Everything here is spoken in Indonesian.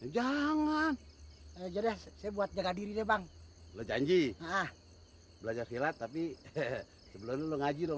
jangan aja deh saya buat jaga diri deh bang lo janji hah belajar khilad tapi sebelum lu ngaji dong